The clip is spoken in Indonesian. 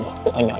tidak ada apa apa